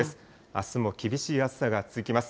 あすも厳しい暑さが続きます。